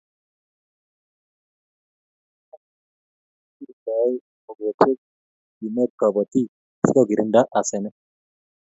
Oratinwek Ole kigirndoe mogochek kenet kobotik asikogirinda asenet